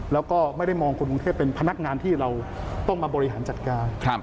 แล้วก็ไม่ได้มองคนกรุงเทพเป็นพนักงานที่เราต้องมาบริหารจัดการ